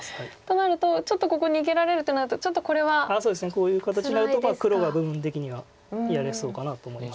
こういう形になると黒が部分的にはやれそうかなと思いますので。